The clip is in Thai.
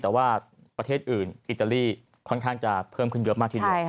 แต่ว่าประเทศอื่นอิตาลีค่อนข้างจะเพิ่มขึ้นเยอะมากทีเดียว